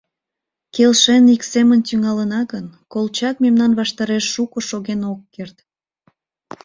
Келшен ик семын тӱҥалына гын, Колчак мемнан ваштареш шуко шоген ок керт.